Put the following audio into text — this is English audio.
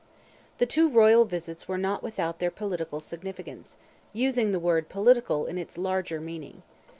The two royal visits were not without their political significance using the word political in its larger meaning.